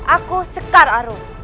aku sekar arun